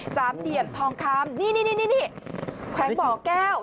สามเตียมทองคล้ำนี่แขวงหม่อแก้ว